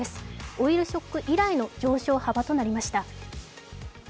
オイルショック以来の上昇幅となりました。